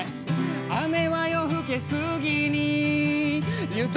「雨は夜更け過ぎに雪へと」